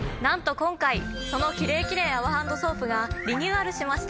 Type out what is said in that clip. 今回そのキレイキレイ泡ハンドソープがリニューアルしました！